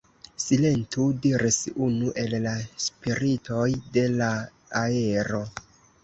Silentu, diris unu el la spiritoj de la aero.